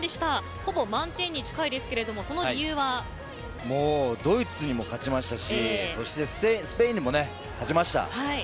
ほぼ満点に近いですがドイツにも勝ちましたしスペインにも勝ちました。